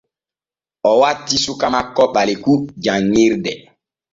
O watti suka makko Ɓaleku janŋirde.